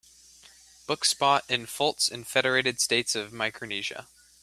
Book spot in Fults in Federated States Of Micronesia